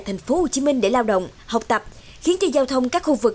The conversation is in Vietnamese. thành phố hồ chí minh để lao động học tập khiến cho giao thông các khu vực